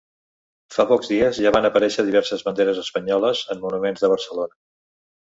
Fa pocs dies ja van aparèixer diverses banderes espanyoles en monuments de Barcelona.